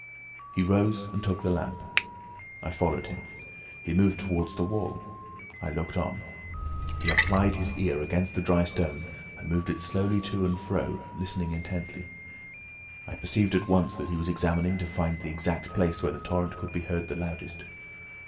He rose and took the lamp. I followed him. He moved towards the wall. I looked on. He applied his ear against the dry stone, and moved it slowly to and fro, listening intently. I perceived at once that he was examining to find the exact place where the torrent could be heard the loudest.